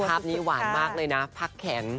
ภาพนี้หวานมากเลยนะพักแขน